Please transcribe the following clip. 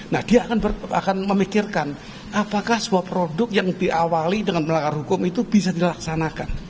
nah dia akan memikirkan apakah sebuah produk yang diawali dengan melanggar hukum itu bisa dilaksanakan